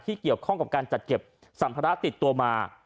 เกี่ยวข้องกับการจัดเก็บสัมภาระติดตัวมา